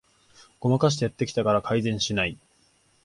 ごまかしてやってきたから改善しない